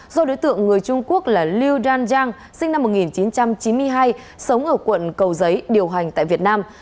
do đối tượng người trung quốc là liu danjiang sinh năm một nghìn chín trăm chín mươi hai sống ở quận cầu giấy điều hành tại việt nam